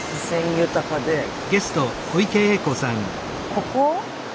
ここ？